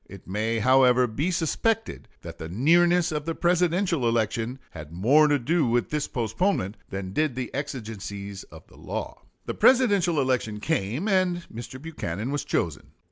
It may, however, be suspected that the nearness of the Presidential election had more to do with this postponement than did the exigencies of the law. [Illustration: ROGER B. TANEY.] The Presidential election came, and Mr. Buchanan was chosen.